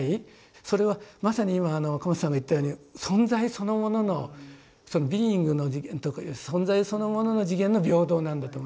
それはまさに今若松さんの言ったように存在そのもののその「ｂｅｉｎｇ」の次元とかいう存在そのものの次元の平等なんだと思うんです。